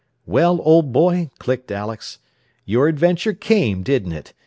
"Well, old boy," clicked Alex, "your adventure came, didn't it.